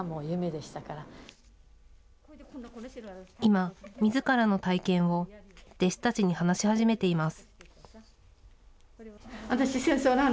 今、みずからの体験を弟子たちに話し始めています。